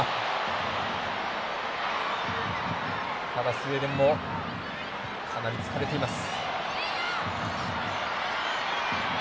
スウェーデンもかなり疲れています。